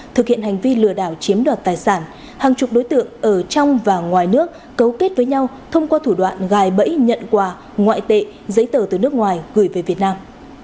thực hiện hành vi lừa đảo chiếm đoạt tài sản hàng chục đối tượng ở trong và ngoài nước cấu kết với nhau thông qua thủ đoạn gài bẫy nhận quà ngoại tệ giấy tờ từ nước ngoài gửi về việt nam